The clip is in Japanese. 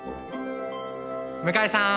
向井さん。